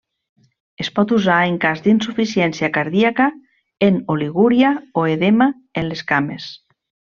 Es pot usar en cas d'insuficiència cardíaca, en oligúria o edema en les cames.